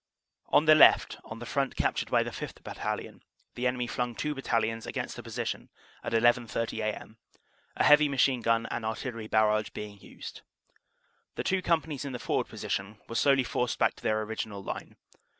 "On the left, on the front captured by the 5th. Battalion. OPERATIONS: SEPT. 1 3 153 the enemy flung two battalions against the position at 11.30 a.m., a heavy machine gun and artillery barrage being used. The two companies in the forward position were slowly forced back to their original line.